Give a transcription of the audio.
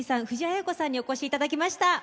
藤あや子さんにお越しいただきました。